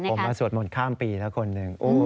ผมมาสวดมนต์ข้ามปีแล้วคนหนึ่ง